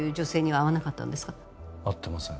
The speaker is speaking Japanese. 会ってません。